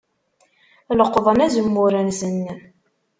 Leqḍen azemmur-nsen.